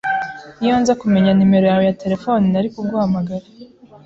Iyo nza kumenya numero yawe ya terefone, nari kuguhamagara.